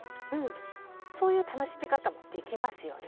そういう楽しみ方もできますよね。